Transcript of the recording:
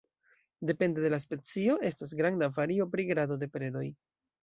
Depende de la specio estas granda vario pri grando de predoj.